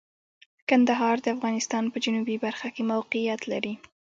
کندهار د افغانستان په جنوبی برخه کې موقعیت لري.